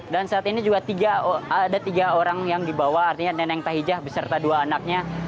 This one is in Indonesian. dan saat ini juga ada tiga orang yang dibawa artinya neneng hatijah beserta dua anaknya